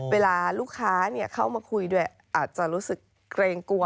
เวลาลูกค้าเข้ามาคุยด้วยอาจจะรู้สึกเกรงกลัว